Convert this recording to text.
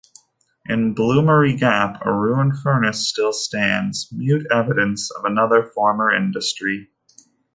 In Bloomery Gap, a ruined furnace still stands, mute evidence of another former industry.